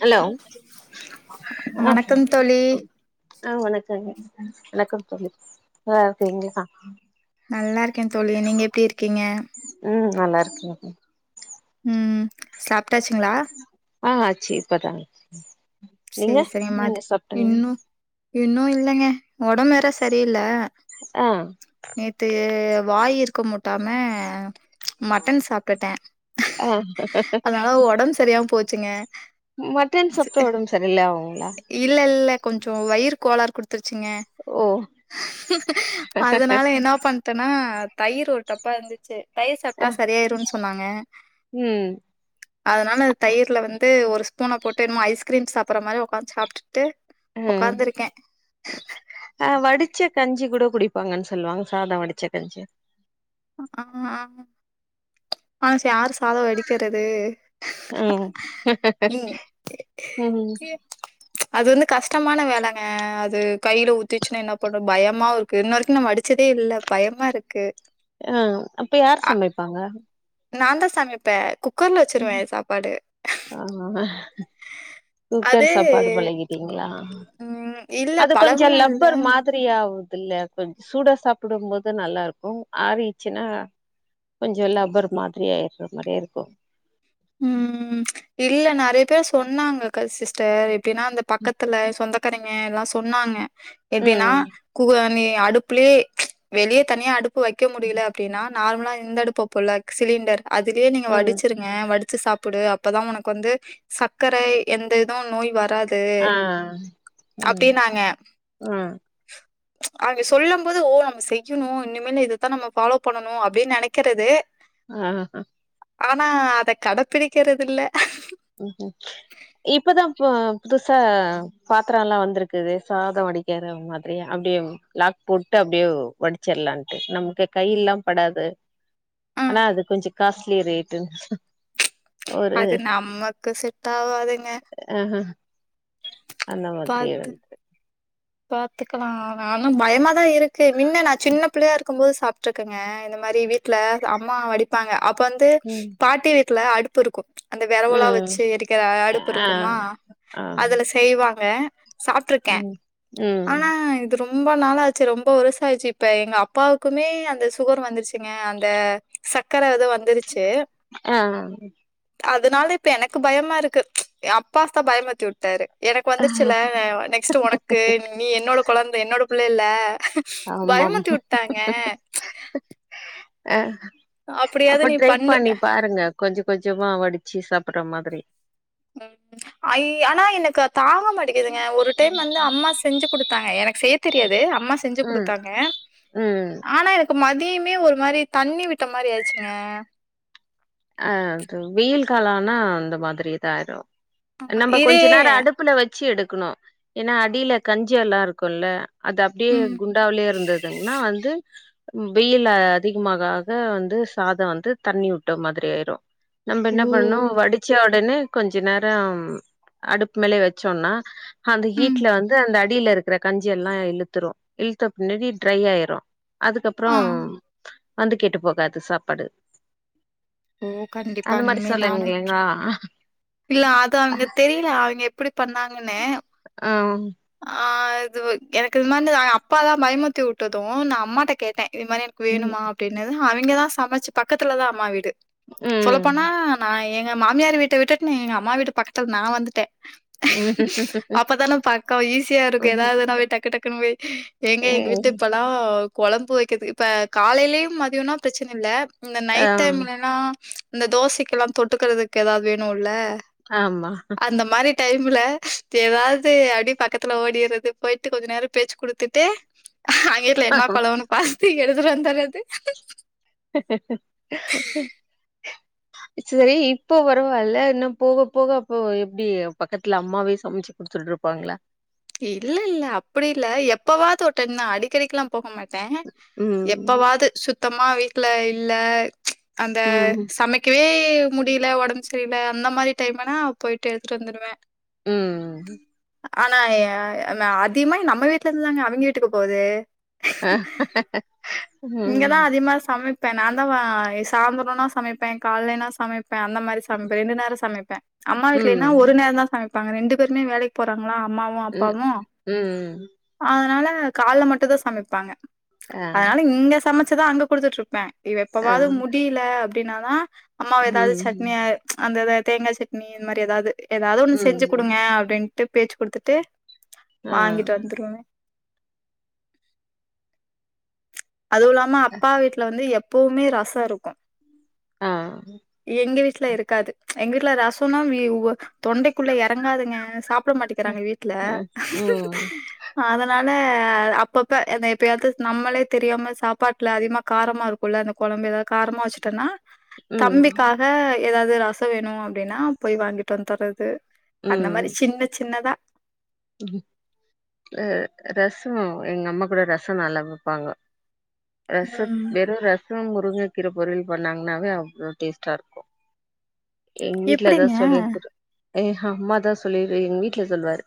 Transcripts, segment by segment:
Hello ஆ வணக்கம் தோழி ஆ வணக்கங்க வணக்கம் தோழி நல்லாருக்கிறிங்ளா நல்லாருக்கே தோழி நீங்க எப்டி இருக்கிங்க நல்லாருக்கேங்க ம் சாப்டாச்சுங்ளா ஆ ஆச்சு இப்பதா ஆச்சு செரி செரிங்ம அது இன்னு இன்னு இல்லைங்க உடம்பு வேற சரியில்ல ஆ நேத்து வாய் இருக்க மூட்டாம மட்டன் சாப்பிட்டே ஆ அதனால ஒடம்பு சரியாம போ ச்சிங்க மட்டன் சூப்பு ஒடம் சர் இல்ல இல்ல கொஞ்சொ வயிற் கோளார் குடுத் த்ருச்சுங்க ஓ அதனால என்ன பண்ட்டனா தயிர் ஒரு டப்பா இருந்துச்சு தயிர் ஆ சாப்ட்டா சரியாய்ருன் சொன்னாங்க ம் அதனால தயிர்ல வந்து ஒரு ஸ்பூன போட்டு என்னமோ ஐஸ்கிரீம் சாப் புர்ற மாரி உக்காந் சாப்ட் ம் ஆ வடிச்ச கஞ்சி கூட புடிப்பாங்கன் சொல்லுவாங்க சாதொ வடிச்ச கஞ்சி அ அ பழசு யார் சாதொ வடிக்கிறது ம் ம் அது வந்து கஷ்டமான வேலங்க அது கைல ஊத்திச்சுன்னா என்ன பண்ணு பயமாவு இருக்கு இன்ன வரைக்கு நா வடிச்சதே இல்ல பயமா இருக்கு ஆ அப்ப யார் சமைப்பாங்க நாந்தா சமைப்ப குக்கர்ல வெச்சிருவே சாப்பாடு ஆ அது குக்கர் சாப்பாடு பழகிட்டீங்களா ம் இல்ல அது கொஞ்ச பழகுனோ இல்ல லப்பர் மாதிரியாவு இல்ல கொஞ்ச சூடா சாப்பிடு போது நல்லாருக்கு ஆறிடுச்சுன்னா கொஞ்ச லப்பர் மாரி ஆயுடுற மாதிரியே இருக்கு உம் இல்ல நெறைய பேர் சொன்னாங்க சிஸ்டர் எப்படின்னா அந்த பக்கத்துல சொந்த க்கறங்க எல்லா சொன்னாங்க எப்படின்னா ம் கு [unintelligible] ஏ அடுப்புலயே வெளியே தனியா அடுப்பு வைக்க முடியல அப்படின்னா நார்மலா இந்த அடுப்புப்போல சிலிண்டர் அதுலயே நீங்க ம் வடிச்சிருங்க வடி வச்சு சாப்பிடு அப்பதான் உனக்கு வந்து சர்க்கரை எந்தது நோய் வராது து ஆ ம் அப்படின்னாங்க ஆ அவங்க சொல்லும் போது ஓ நம்ம செய்யணு இனிமேல இதைதா நம்ம ஃபாலோ பண்ணணு அப்படின்னு நெனைக்கிறது ஆஹ்ஹ ஆனா அதக் கடைப்பிடிக்கறதுல்ல இப்பதான்பா புதுசா பாத்திரம் எல்லா வந்திருக்குது சாத வடிக்கிற மாரி அப்படியே லாக் போட்டு அப்டியே வடிச்சிடலாம்ட்டு நமக்கு கைல எல்லா படாது ஆனா ம். அது கொஞ்ச காஸ்ட்லி ரேட்டு அது நம் ம கு செட் ஆவாதுங்க ஆஹ் அந்த மாதிரியே பாத்து வந்து பாத்துக்கலா ஆனாலு பயமாதா இருக்கு முன்ன நா சின்ன பிள்ளையா இருக்கும்போது சாப்ட்டு ற்ருக்குங்க இந்த மாறி வீட்ல அம்மா வடிப்பாங்க அப்ப வந்து ம் பாட்டி வ ட்டுல அடுப்பு இருக்கு அந்த வெரவுலாம் ம் வெச்சு எரிக்கிற அடுப்பு ஆ இருக்குமா ஆ அதுல செய்வாங்க வே சாப்ட்ருக்கே ம் ம் ஆனா இது ரொம் ரொம்ப நாளாச்சு ரொம்ப வருஷம் ஆச்சு இப்ப எங்க அப்பாவுக்குமே அந்த சுகர் வந்துருச்சு ங்க அந்த சக்கர இது வ ஆஹ்ஹ் அதனால இப்ப எனக்கு பயமாருக்கு என் அப்பா தா பயமுறுத்தி வுட்டாரு வந்துருச்சுல நெக்ஸ்ட் உனக்கு நீ என்னோட கொழந்த என்னோட பிள்ளை இல்ல பயமுறுத்தி ஆமாமா வுட்டாங்க ச் ஆ அப்ப ட்ரை பண்ணி பாருங்க கொஞ்சம் கொஞ்சமா வடிச்சு சாப்பட்ற மாதிரி உ ஆனா எனக்கு தாங்க மாட்டிக்குதுங்க ஒரு டைம் வந்து அம்மா செஞ்சு குடுத்தாங்க எனக்கு செய்ய தெரியாது அம்மா செஞ்சு ம் குடுத்தாங்க ம் ஆனா எனக் மதியமே ஒரு மாதிரி தண்ணி விட்ட மாறி ஆயிடுச்சுங்க ஆ அது வெயில் காலம்னா அந்த மாதிரி இதாயிரும் நம்ம கொஞ்ச இதே நேரம் அடுப்புல வச்சு எடுக்க இருக்கணும் ஏன்னா அடில கஞ்சி எல்லாம் இருக்குல அது அப்படியே ம் குண்டாவுலயே இருந்ததுங்கன்னா வந்து வெயில் அதிகமாக ஆக வந்து சாதம் வந்து தண்ணி உட்டு ட மாதிரியாயிரும் நம்ப ஓ என்ன பண்ணனும் வடிச்சா உடனே கொஞ்ச நேரம் அடுப்பு மேலயே வெச்சோம்னா அந்த ம் ஹீட்டல வந்து அந்த அடி அடில இருக்கற கஞ்சி எல்லாம் இழுத்துரும் இழுத்த பின்னாடி ட்ரை ஆயிரும் ஆ அதுக்கப்புறம் வந்து கெட்டு போகாது சாப்பாடு ஓ கண்டிப்பா அந்த மாரி இனிமே நானு சொல்லுங்களே இன்னு இல்ல அது அங்க தெரியல அவைங்க பண்ணாங்கன்னே ஆ ஆதுவு எனக் க்கு மந்து அ அப்பா தா பயமுறுத் துரத்திவுட்டது நா அம்மாட்ட கேட்டே இது மாரி எனக்கு ம் வேணுமா அப்டினு அவைங்களா சமைச்சு பக்கத்துல தா அம்மா வீடு சொல்ல ம் போனா நா என் எ மாமியார் வீட்ட விட்டுட்டு எ அம்மா வீட்டு பக்கத்துல நா வந்துட்டே ம் அக்காவ் ஈஸியா இருக்கு ஏதாதுனா போய் டக்கு டக்குனு போய் எங்க எங்க வீட்ல ம். தொலாவ் குழம்பு வைக்கிறதுக்கு இப்ப காலையிலயு மதியம்னா பிரச்சன இல்ல இந்த ஆ நைட் டைம்லனா இந்த தோசைக்கல்லா தொட்டுக்குறதுக்கு ஏதாது வேணுல ஆமா டைம்ல ஏதாது அடிப் பக்கத்துல ஓடிறது போயிட்டு கொஞ்ச நேர பேச்சு குடுத்துட்டு அவைங்க வீட்ல என்ன குழம்புனு பாத் இப்டி எழுதலா தான அது செரி இப்போ வருவால்ல இன்னு போக போக அப்போ எப்டி பக்கத்துல அம்மாவே சமச்சு குடுத்துட்ருப்பாங்ளா இல்ல இல்ல அப்டியில்ல எப்பவாவது ஒரு டைம் தா அடிக்கடிக்லா போக மாட் டே ம் எப்பவாது சுத் சுத்தமா வீட்ல இல்ல ச் அந்த ம் சமக்கேவே பே முடில ஒடம்பு சரில அந்த மாரி டைம்னா போய்ட்டு எடுத்துட்டு வந்துடுவே ம் அ தாயா நா அதிக்மா நம்ம வீட்ல இருந்துதாங்க அவிங்கே வீட்டுக்கு போது ஹா ஹா இங்கதா அதிமா சமப் இப்ப நா தா வ சாந்தரோனா சமைப்ப கால்லனா சமைப் ப்ப அந்த மாரி சமப்பே ரெண்டு நேரோ சமப்பே அம்மா வீட்லனா ம் ஒரு நேரோ தா சமப்பே அப்ப அங்க ரெண்டு பேருமே வேலைக் போறாங் ல அம்மாவு ம் அப்பாவு ம் அதனால காலைல மட்டும்தா சமைப்பாங்க ஆ அதனால இங்க சமைச்சதான் அங்க கொடுத்துட்டு இருப்பேன் இவ ஆ எப்பவாவது முடியல அப்படின்னானா அம்மாவ ஏதாவது ம் சட்னி அந்த ஏதாவது தேங்காய் சட்னி இந்த மாரி ஏதாவது ஏதாவது ஒன்னு செஞ்சு ம் கொடுங்க அப்படின்னுட்டு ட்டு பேச்சு கொடுத்துட்டு ஆ வாங்கிட்டு வந்துருவமே அதுவும் இல்லாம அப்பா வீட்ல வந்து எ எப்பவுமே ரசம் இருக்கும் ஆ எங்க வீட்ல இருக்காது எங்க வீட்ல ரசனும் தொண்டைக்குள்ள இறங்காதுங்க சாப்ப விட மாட்டிறாங்க வீட்டுல ம் ம் அதன அப்பப்ப எப்பயாவது நம்மளே தெரியாம சாப்பாட்டுல அதிகமா காரமா இருக்கும்ல்ல அந்த குழம்பு ஏதாவது காரமா வச்சுட்டேன்னா ம் தம்பிக்காக ஏதாவது ரசம் வேணும் அப்படின்னா போய் வாங்கிட்டு வந்து தர்றது அந்த மாரி சின்ன சின்னதா ஆ ரசம் எங்க அம்மா கூட ரசம் நல்லா வைப்பாங்கோ ரச ம் வெறும் ரச மு முருங்க கீரை பொறியல் பண்ணாங்கனாவே அவ்வளோ டேஸ்ட்டா இருக்கும் எங்க எப்டிங்க வீட்டு்லதான் சொல்லியிருக்குற ஏ்ஹ அம்மாதான் சொல்லிடு எங்க வீட்ல சொல்லுவாரு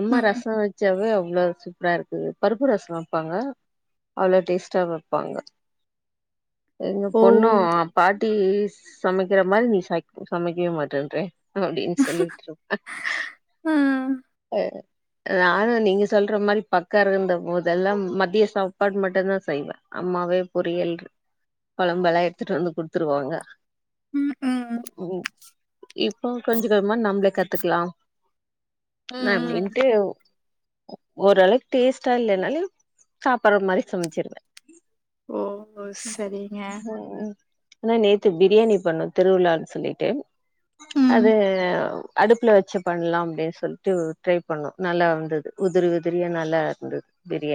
அம்மா ம் ரசம் வச்சாவே அவ்ளோ சூப்பரா இருக்கு பருப்பு ரசம் வைப்பாங்க அவ்ளோ டேஸ்ட் டா வைப்பாங்க எங்க ஓ பொண்ணும் பாட்டி சமைக்கிர மாரி நீ ச சமைக்கவே மாட்டேட்ர அப்படின்னு சொல்லிட்டு இரு ம் நானும் நீங்க சொல்ற மாரி பக்கம் இருந்த போதெல்லாம் மத்திய சாப்பாடு மட்டும்தான் செய்வேன் அம்மாவே பொரியல் குழம்பெல்லாம் எடுத்துட்டு வந்து கொடுட் த்துருவாங்க ம் ம் ம் இப்போ கொஞ்ச கொஞ்சமா நம்மள கத்துக்கலாம் ம் நா ம் இப்டின்ட்டு ஓரளக்கு டேஸ்ட்டா இல்லனாலயும் சாப்பாட்ற மாரி சமச்சிருவேன் ஓ செரிங்க ம் ஆனா நேத்து பிரியாணி பண்ண திருவிழானு சொல்லிட்டு ம் அது அடுப்புல வச்சு பண்லாம் அப்டின்னு சொல் ட்ரை பண்ணோம் நல்லா இருந்துது உதிரி உதிரியா நல்லா இருந்துது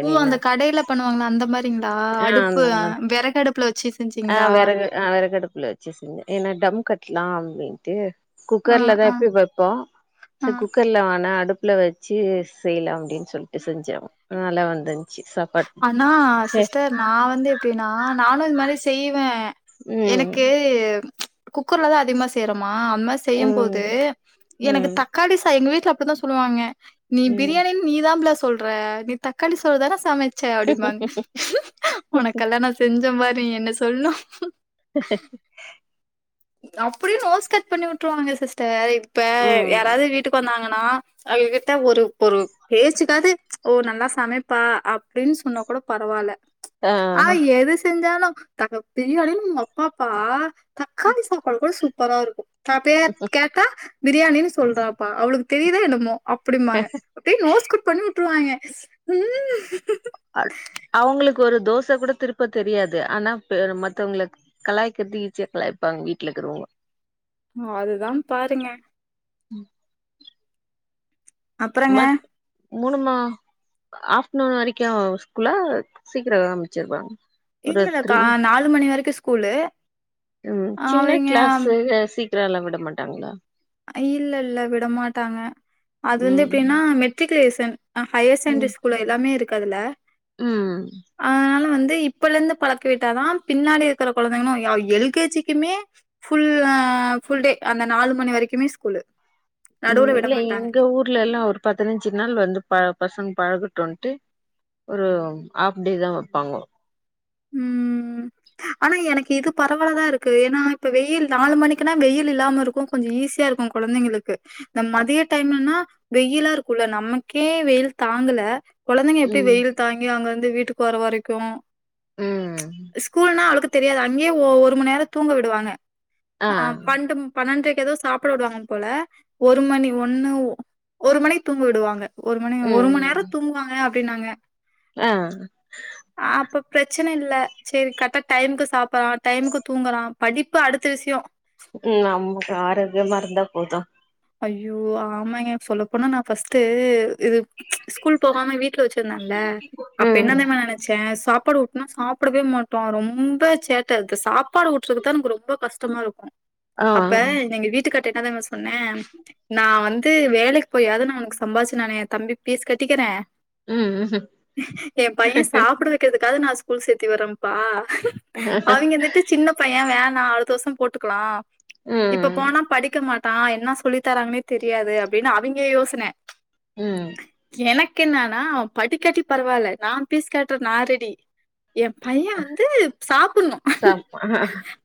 ஓ அந்த கடையில பண்ணுவாங்களே அந்த மாதிரிங்களா ஆ அடுப்பு அந்த மாதிரி வெறகடுப்புல வச்சு ஆ செஞ்சீங்களா வெறகு க்கலாம் அப்டின்ட்டு ஆ, குக்கர்ல தான் ஆ, எப்பயி வப்போம் ஆ. சரி குக்கர்ல அடுப்புல வச்சு செய்யலாம் அப்படின்னு சொல்லிட்டு செஞ்சொம் நல்லா வந்து ஆனா சிஸ்டர் நா வந்து எப்டின்னா நானும் இந்த மாரி செய்வ ம் எனக்கு குக்கர்லதா அதிகமா சேறமா ஆ அது மாரி செய்ய ம் போது எனக்கு ம் தக்காளி சா எங்க வீட் ல அப்டித்தா சொல்லுவாங்க நீ ம் பிரியாணின்னு நீ தாபள்ள சொல்ற நீ தக்காளி சோறு தான சமச் ச அப்டிமாங்க உனக்கு கல்யாணம் செஞ்ச மாரி என்ன சொல்ணு அப்டி நோஸ் கட் பண்ணி விட்டுருவாங்க சிஸ்டர் இப்ப ம் யாராது வீட்டுக்கு வந்தாங்கன்னா அவககிட்ட ஒரு ஒரு பேச்சுக்காது ஓ நல்லா சமைப்பா அப்டின்னு சொன்ன கூட பரவால்ல ஆ எது செஞ்சாலு தக்க பிரியாணினு ஒன்னு வைப்பபா காளி சாப்பாடு கூட சூப் பரா இருக்கு ஆ பே கேட்டா பிரியாணின்னு சொல்றாப்பா அவளுக் தெரியுதா என்னமோ அப்டிம்பாங்க அப்படி நோஸ்ஸ்கட் பண்ணி விட்டுருவாங்க ம் அவங்களுக்கு ஒரு தோச கூட திருப்ப தெரியாது ஆனா மத்தவங்கள கலாய்கறது ஈசியா கலாய்ப்பாங்க வீட்டுல இருக்கிறவங்க அதுதா பாருங்க உம் அப்பறங்க மூணுமா ஆஃப்டர்நூன் வரைக்கு ஸ்கூலா சீக்கிரம் ஆரம்பிச்சிருவாங்க ஒரு இல்லல்லாக்கா நாலு மணி வரைக்கு ஸ்கூலு உம் சின்ன அவிங்க கிளாஸ் சி இன்டர்வல்ல விட மாட்டாங்களா இல்ல இல்ல விடமாட்டாங்க அது வந்து ம் எப்படின்னா மெட்ரிகுலே சென் ஹையர் செண்டரி ஸ்கூல்ல எல்லாமே இருக்கு கதுல உம் இப்ப இருந்து பழக்கவிட்டாதா பின்னாடி இருக்கிற குழந்தைகளும் எல்கேஜிக்குமே ஃபுல்லா ஃபுல்டே அந்த நாலு மணி வரைக் கமே ஸ்கூல் உம் இல்ல எங்க ஊர்ல எல்லா ஒரு பதினைஞ்சு நாள் வந்து ப பசங்க பழகுட்டும்ன்ட்டு ஒரு ஆப்டே தா வைப்பாங்க உம் ஆனா எனக்கு இது பரவாலதா இருக்கு ஏன்னா இப்ப வெயில் நாலு மணிக்குனா வெயில் இல்லாம இருக்கும் கொஞ்சம் ஈஸியா இருக்கும் குழந்தைங்களுக் கு இந்த மதிய டைம்ன்னா வெயிலா இருக்கும்ல்ல நமக்கே வெயில் தாங்கல குழந்தைங்க எப்படி ம் வெயில் தாங்கி அங்க வந்து வீட்டுக்கு வர வரைக்கு ம் ஸ்கூல்னா அவுளுக்கு தெரியாது அங்கயே ஒ ஒரு மண் நேரம் தூங்க விடுவாங்க ஆ பண்டும் பண்ணன்ரைக் ஏதோ சாப்பிட விடுவாங்க போல ஒரு மணி ஒண்ணு ஒரு மணிக்கு தூங்க விடுவாங்க ஒரு மணி ஒரு மண் நேரம் ம் தூங்குவாங்க அப் அப்டின்னாங்க ஆ அப்ப பிரச்சன இல்ல செரி கரெக்ட்டா டைமுக்கு சாப்ப இப்பா டைமுக்கு தூங்கறா படிப்பு அடுத்த விஷயம் ம் நமக்கு ஆரோக்கியமா இருந்தா போதும் அய்யோ ஆமாங்க சொல்லப்போனா நான் ஃபர்ஸ்ட்டு இது ஸ்கூல் போகாம வீட்ல வச்சிருந்தேன்ல அப்ப ம் என்ன தெரியுமா நனைச்சேன் சா சாப்பாடு ஒட்டுனா சாப்பிடவே மாட்டோம் ரொம்ப சேட்டை அது சாப்பாடு ஊற்றது தான் நமக்கு ரொம்ப கஷ்டமா இருக்கு ஆ அப்ப எங்க வீட்டுக்கார் கேட்டா தா நா சொன்னே நான் வந்து வேலைக்கு போயாவது நான் உனக்கு சம்பாதிச்சு நான் என் தம்பிக்கு ஃபீஸ் கட்டிக்கிறே ம் எ பைய சாப்பிட வைக்கிறதுக்காக நா ஸ்கூல் சேத்தி வரப்பா அவைங்க வந்துட்டு சின்ன பைய வேண அடுத்த வருஷ போட்டுக்கலா இப்ப ம் போனா படிக்க மாட் டா என்ன சொல்லி தராங்கன்னே தெரியாது அப்படின்னு அவைங்க யோசன ம் எனக் கென்னனா படி கட்டி பரவால்ல நா பீஸ் கட்ட நா ரெடி எம் பைய வந்து சாப்புண்ணு சம்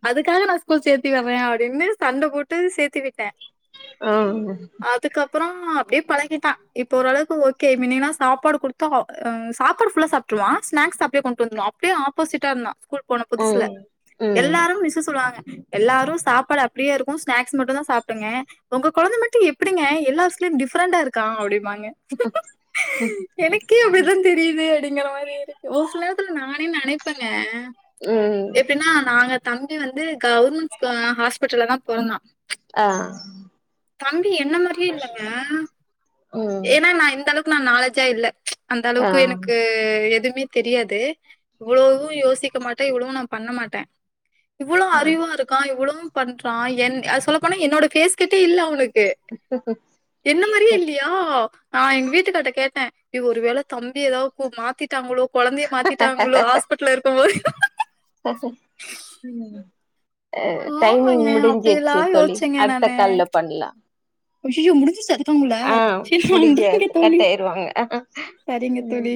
அதுக்காக நா க்குள் சேத்தி வரன் அப்டின்னு சண்ட போட்டு சேத்தி விட்டே ஆ றொ அப்டியே பழகிட்டா இப்பொ ஓரளவுக்கு ஓகே மின்னயெல்லா சாப்பாடு குடுத்தா ஆ சாப்பாடு ஃபுல்லா சாப்ட்ருவா ஸ்னாக்ஸ் அப்டியே கொண்டு வந்துர்வா அப்டியே ஆப்போசிட்டா இருந்தா கூல் போன புதுசுல ம் ம் எல்லாரும் மிஸ்ஸு சொல்லுவாங்க எல்லாரு சாப்பாடு அப்டியே இருக்கு ஸ்நாக்ஸ் மட்டுந்தா சாப்டுங்க ஒங்க கொழந்த மட்டு எப்டிங்க எல்லாஸ்லயு டிஃப்ரெண்ட்டா இருக்கா அப்டிம்பா ங்க எனக்கே அப்டிதா தெரியுது அப்டிங்கிற மாரி இருக்கு ஒர் சில நேரத்ல நா யு நெனப்பங்க ம் எப்டின்னா நாங்க தங் யு வந்து கௌர்மெண்ட் ஸ் ஆ ஹாஸ்பிட்டல்லதா பொறந்தா ஆ தங் என்ன மாரியே இல்லங்க ம் ஏன்னா நா இந்தள நா நாலேஜா இல்ல ஆ அந்தளவுக்கு எனக்கு எது மே தெரியாது இவ்வளவும் யோசிக்க மாட்டேன் இவ்வளவும் நான் பண்ண மாட்டே இவ்வளோ ஆ அறிவா இருக்கா இவ்வளோ பண்றான் என் அது சொல்ல போனா என்னோட கேஸ் கிட்ட இல்ல அவனுக் கு என்ன மாரியே இல்லையா நான் எங்க வீட்டுக்கார் கிட்ட கேட்டேன் இ ஒருவேல தம்பி ஏதாவ்து கோ மாத்திட்டாங்களோ கொழந்தைய மாத்திட்டாங்ளோ ஹாஸ்பிட்ல இருக்குபோது ம் அ டைமிங் ஆமாங்க. முடிஞ்சிச்சு அப்படிலாம் தோழி யோசிச்சேங்க அடுத்த நானு. கால்ல பண்லா ஐயய்யோ! முடிஞ்சிருச்சா அதுக்குள்ள? ஆ சரி நன்றிங்க முடிஞ்சது தோழி. கட்டாயிருவாங்க அ அ சரிங்க ம் தோழி.